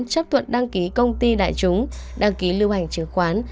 chấp thuận đăng ký công ty đại chúng đăng ký lưu hành chứng khoán